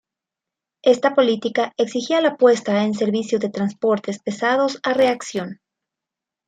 Esta política exigía la puesta en servicio de transportes pesados a reacción.